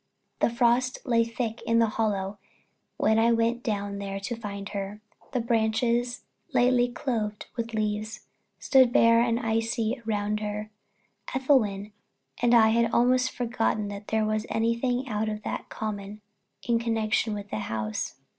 The frost lay thick in the hollow when I went down there to find her; the branches, lately clothed with leaves, stood bare and icy around her. Ethelwyn and I had almost forgotten that there was anything out of the common in connection with the house.